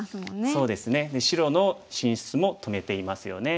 そうですね白の進出も止めていますよね。